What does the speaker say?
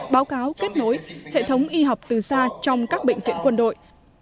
báo cáo kết nối hệ thống y học từ xa trong các bệnh viện quân đội